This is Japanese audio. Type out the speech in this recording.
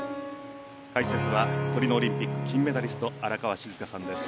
解説はトリノオリンピック金メダリスト荒川静香さんです。